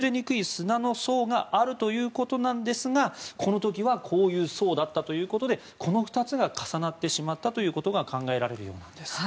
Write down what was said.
本来は粘土などを含んだ崩れにくい砂の層があるということですがこの時はこういう層だったということでこの２つが重なってしまったことが考えられるようなんです。